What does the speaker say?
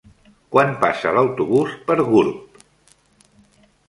Quan passa l'autobús per Gurb?